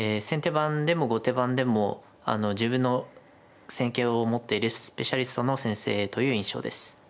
番でも後手番でも自分の戦型を持っているスペシャリストの先生という印象です。